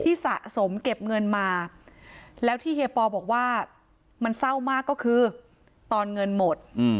สะสมเก็บเงินมาแล้วที่เฮียปอบอกว่ามันเศร้ามากก็คือตอนเงินหมด